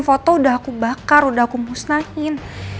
foto udah aku bakar udah aku musnahin